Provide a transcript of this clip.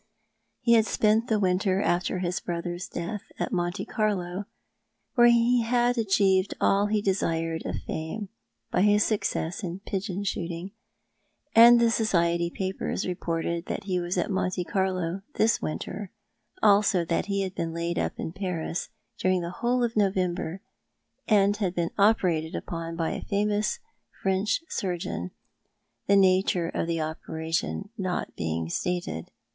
He had spent the winter after his brother's death at Monte Carlo, where he had achieved all he desired of fame by his success in pigeon shooting — and the society papers reported that he was at Monte Carlo this winter, also that he had been laid up in Paris during the whole of November, and had been operated upon by a famous French surgeon, the nature of the operation not being stated.